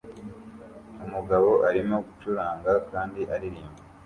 Umugabo arimo gucuranga kandi aririmba